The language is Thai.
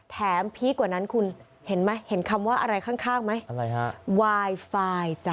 แถมพีคกว่านั้นคุณเห็นไหมเห็นคำว่าอะไรข้างไวไฟจ้ะ